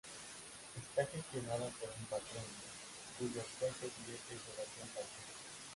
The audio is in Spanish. Está gestionada por un Patronato, cuyo actual presidente es Sebastián Pacheco.